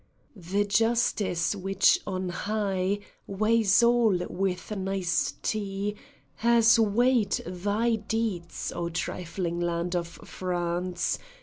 The Justice which on high Weighs all with nicety. Hath weighed thy deeds, O trifling land of France